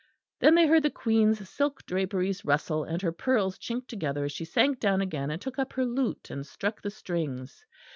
Then they heard the Queen's silk draperies rustle and her pearls chink together as she sank down again and took up her lute and struck the strings.